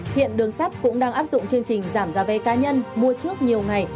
hiện đường sắt cũng đang áp dụng chương trình giảm giá vé cá nhân mua trước nhiều ngày